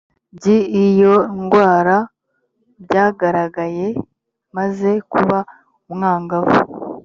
byi iyo ndwara byagaragaye maze kuba umwangavu